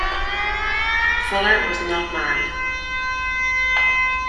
Fuller was not married.